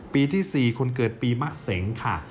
ปีที่๔คนเกิดปีมะเสงค่ะ